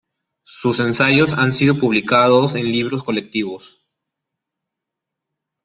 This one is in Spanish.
Sus ensayos han sido publicados en libros colectivos.